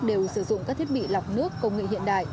đều sử dụng các thiết bị lọc nước công nghệ hiện đại